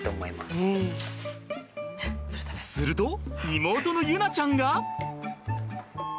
すると妹の結菜ちゃんが。